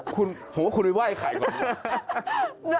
ผมว่าคุณไปไหว้ไข่ของ